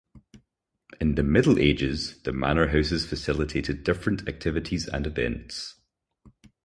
In the Middle Ages, the Manor Houses facilitated different activities and events.